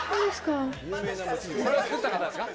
これ作った方ですか？